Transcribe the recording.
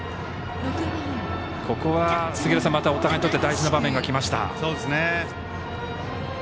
ここは、またお互いにとって大事な場面がきました。